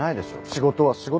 仕事は仕事。